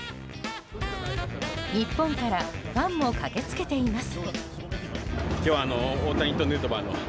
日本からファンも駆けつけています。